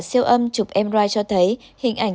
siêu âm chụp mri cho thấy hình ảnh